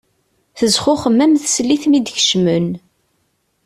Tezxuxem am teslit mi d-kecmen.